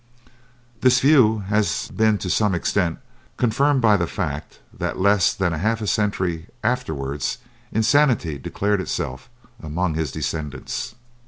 This view has been to some extent confirmed by the fact that less than half a century afterwards insanity declared itself among his descendants.